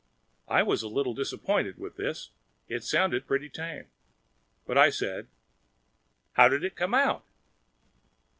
I was a little disappointed with this; it sounded pretty tame. But I said, "How did it come out?"